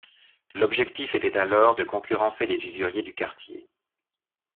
L’objectif était alors de concurrencer les usuriers du quartier.